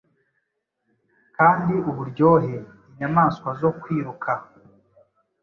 Kandi uburyohe, Inyamawa zo kwiruka,